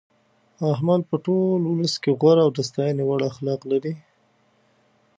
احمد په ټول ولس کې غوره او د ستاینې وړ اخلاق لري.